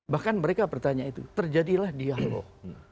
bahkan mereka bertanya itu terjadilah dialog